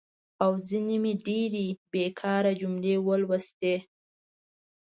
او ځینې مې ډېرې بېکاره جملې ولوستي.